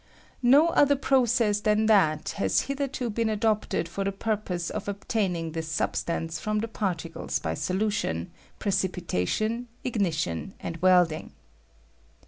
No other process than that has hitherto been adopted for the purpose of obtaining this substance fixjm the particles by solution, pre cipitation, ignition, and welding.